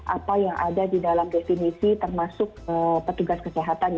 apa yang ada di dalam definisi termasuk petugas kesehatan